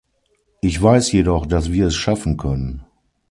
Ich weiß jedoch, dass wir es schaffen können.